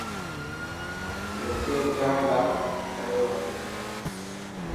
لکي ٻڌائڻ لاءِ ڪيو هي.